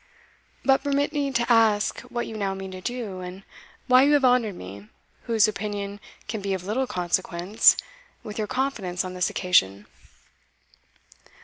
But permit me to ask what you now mean to do, and why you have honoured me, whose opinion can be of little consequence, with your confidence on this occasion?"